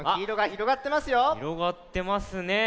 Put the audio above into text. ひろがってますね。